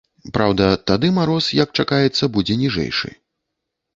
Праўда, тады мароз, як чакаецца, будзе ніжэйшы.